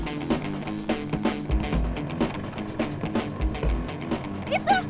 ini subarman bukan